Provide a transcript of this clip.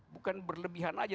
bukan berlebihan saja